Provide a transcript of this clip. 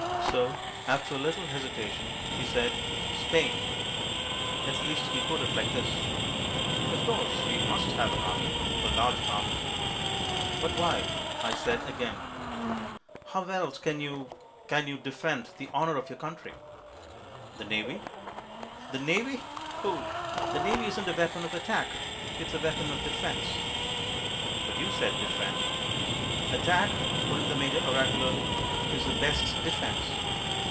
So, after a little hesitation, he said "Spain." At least he put it like this: "Of course, we must have an army, a large army." "But why?" I said again. "How else can you can you defend the honour of your country?" "The Navy." "The Navy! Pooh! The Navy isn't a weapon of attack; it's a weapon of defence." "But you said `defend'." "Attack," put in the Major oracularly, "is the best defence."